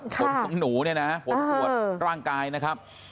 คุณหนูนี่นะผลปวดร่างกายนะครับ